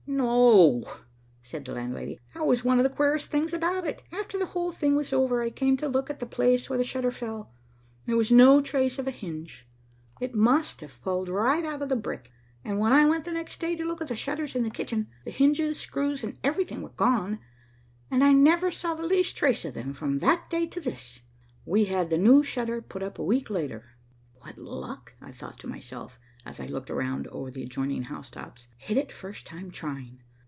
"No," said the landlady, "that was one of the queerest things about it. After the whole thing was over, and I came to look at the place where the shutter fell, there was no trace of a hinge. It must have pulled right out of the brick, and when I went next day to look at the shutters in the kitchen, the hinges, screws, and everything were gone, and I never saw the least trace of them from that day to this. We had the new shutter put up a week later." "What luck!" I thought to myself, as I looked around over the adjoining housetops. "Hit it first time trying.